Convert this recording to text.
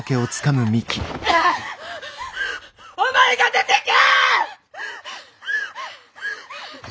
お前が出てけ！